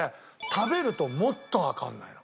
食べるともっとわかんないの。